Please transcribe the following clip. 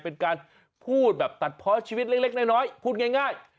เป็นการพูดแบบตัดเพาะชีวิตเล็กน้อยพูดง่าย